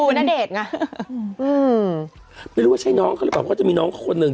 ดูหุ่นดูหุ่นน่ะไม่รู้ว่าใช้น้องเขาเลยบอกว่าจะมีน้องคนหนึ่ง